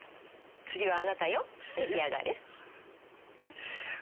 次はあなたよ召し上がれ。